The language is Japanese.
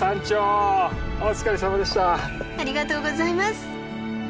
ありがとうございます。